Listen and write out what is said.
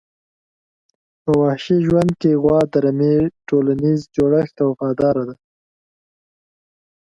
په وحشي ژوند کې غوا د رمي ټولنیز جوړښت ته وفاداره ده.